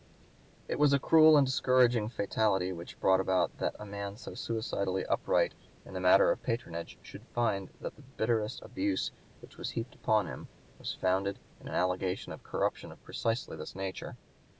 It was a cruel and discouraging fatality which brought about that a man so suicidally upright in the matter of patronage should find that the bitterest abuse which was heaped upon him was founded in an allegation of corruption of precisely this nature.